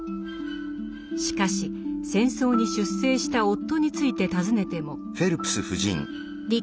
しかし戦争に出征した夫について尋ねても。